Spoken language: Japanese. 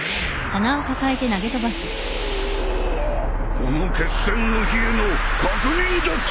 この決戦の日への確認だった。